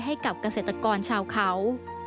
ให้กับเกษตรกรชาวเขา